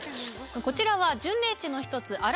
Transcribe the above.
こちらは巡礼地の一つ。